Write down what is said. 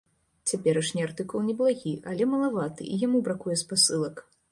Цяперашні артыкул неблагі, але малаваты і яму бракуе спасылак.